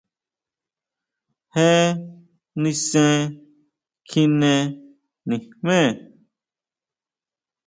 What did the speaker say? ¿Jé nisen kjine nijme?